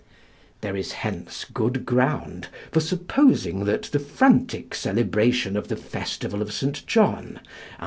There is hence good ground for supposing that the frantic celebration of the festival of St. John, A.D.